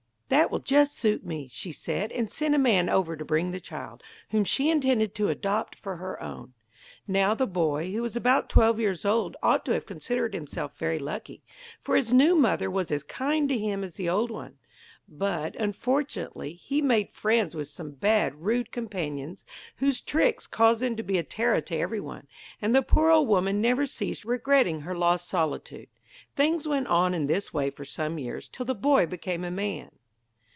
'That will just suit me,' she said; and sent a man over to bring the child, whom she intended to adopt for her own. Now the boy, who was about twelve years old, ought to have considered himself very lucky, for his new mother was as kind to him as the old one. But, unfortunately, he made friends with some bad rude companions whose tricks caused them to be a terror to everyone, and the poor old woman never ceased regretting her lost solitude. Things went on in this way for some years, till the boy became a man.